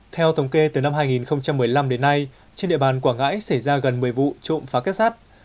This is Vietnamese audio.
theo thống kê từ năm hai nghìn một mươi năm đến nay trên địa bàn quảng ngãi xảy ra gần một mươi vụ trộm phá kết sát